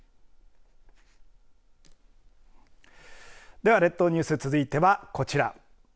では列島ニュース続いてはこちら。